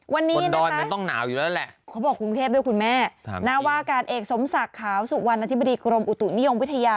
วันนี้นะคะคุณแม่นาวาอากาศเอกสมศักดิ์ขาวสุกวันอธิบดีกรมอุตุนิยมวิทยา